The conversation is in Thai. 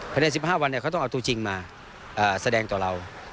ภายใน๑๕วันเขาต้องเอาตัวจริงมาแสดงต่อเรา